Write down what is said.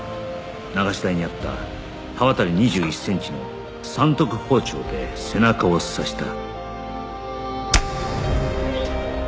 流し台にあった刃渡り２１センチの三徳包丁で背中を刺した